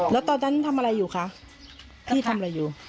แล้วตอนนั้นทำอะไรอยู่คะพี่ทำอะไรอยู่